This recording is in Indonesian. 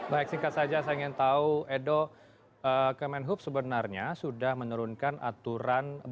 baik singkat saja saya ingin tahu edo kemenhub sebenarnya sudah menurunkan aturan